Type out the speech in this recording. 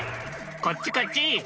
こっちこっち。